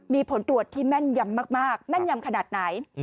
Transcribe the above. มีผลตรวจที่แม่นยำมากแม่นยำขนาดไหน